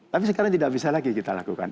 tapi sekarang tidak bisa lagi kita lakukan